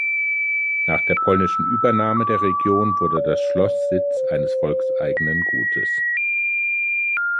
Nach der polnischen Übernahme der Region wurde das Schloss Sitz eines volkseigenen Gutes.